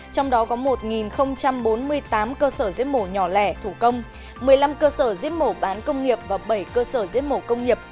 trong đó có một bốn mươi tám cơ sở giết mổ nhỏ lẻ thủ công một mươi năm cơ sở giết mổ bán công nghiệp và bảy cơ sở giết mổ công nghiệp